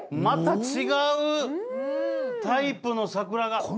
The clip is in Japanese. また違うタイプの桜が。